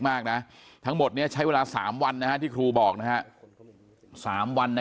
มากนะทั้งหมดนี้ใช้เวลา๓วันที่ครูบอกนะฮะ๓วัน